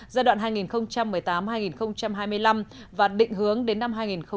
giai đoạn hai nghìn một mươi tám hai nghìn hai mươi năm và định hướng đến năm hai nghìn ba mươi